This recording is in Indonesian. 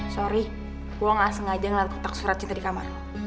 sorry gue gak sengaja ngeliat kotak surat cinta di kamar